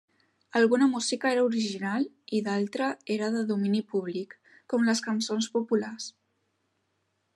Alguna música era original i d'altra era de domini públic, com les cançons populars.